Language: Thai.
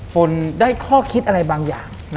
คนได้ข้อคิดอะไรบางอย่าง